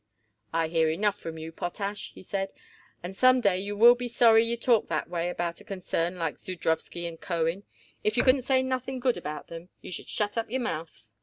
"I hear enough from you, Potash," he said, "and some day you will be sorry you talk that way about a concern like Zudrowsky & Cohen. If you couldn't say nothing good about 'em, you should shut up your mouth."